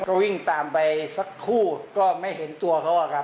ก็วิ่งตามไปสักคู่ก็ไม่เห็นตัวเขาอะครับ